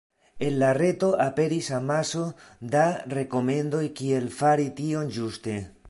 En la reto aperis amaso da rekomendoj kiel fari tion ĝuste.